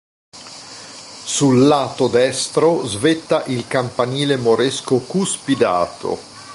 Sul lato destro svetta il campanile moresco cuspidato.